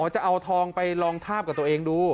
จะเอาทองไปลองทาบกับตัวเองดู